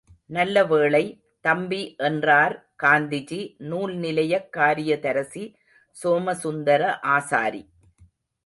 நல்லவேளை, தம்பி என்றார் காந்திஜி நூல் நிலையக் காரியதரிசி சோமசுந்தர ஆசாரி.